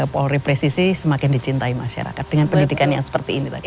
polri presisi semakin dicintai masyarakat dengan pendidikan yang seperti ini tadi